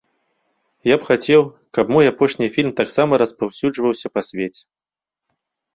Я б хацеў, каб мой апошні фільм таксама распаўсюджваўся па свеце.